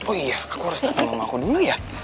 oh iya aku harus datang sama aku dulu ya